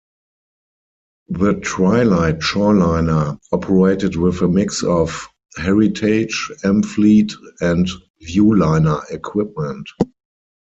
The "Twilight Shoreliner" operated with a mix of Heritage, Amfleet, and Viewliner equipment.